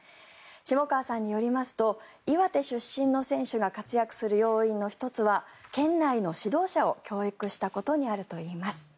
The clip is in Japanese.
下川さんによりますと岩手出身の選手が活躍する要因の１つは県内の指導者を教育したことにあるといいます。